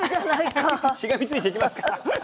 しがみついていきますから。